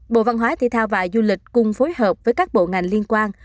bộ văn hóa thể thao và du lịch cùng phối hợp với các bộ ngành liên quan